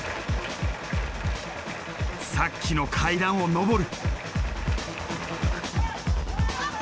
さっきの階段を上る。